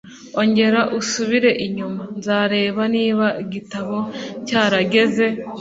Ongera usubire inyuma; Nzareba niba igitabo cyarageze.